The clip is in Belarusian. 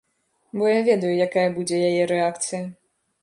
Бо я ведаю, якая будзе яе рэакцыя.